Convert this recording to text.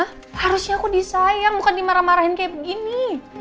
harusnya aku disayang bukan dimarah marahin kayak begini